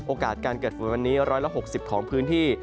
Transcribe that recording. โอกาสการเกิดฝนวันนี้๑๖๐ของพื้นที่